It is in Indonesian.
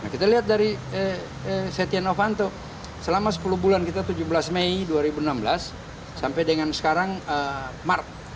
kita lihat dari setia novanto selama sepuluh bulan kita tujuh belas mei dua ribu enam belas sampai dengan sekarang maret